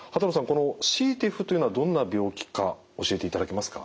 このＣＴＥＰＨというのはどんな病気か教えていただけますか。